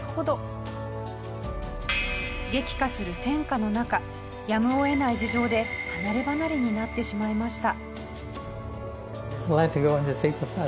激化する戦火の中やむを得ない事情で離ればなれになってしまいました。